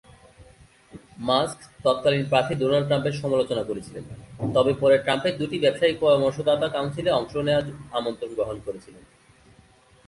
Mask তৎকালীন প্রার্থী Donald ট্রাম্পের সমালোচনা করেছিলেন, তবে পরে ট্রাম্পের দুটি ব্যবসায়িক পরামর্শদাতা কাউন্সিলে অংশ নেওয়ার আমন্ত্রণ গ্রহণ করেছিলেন।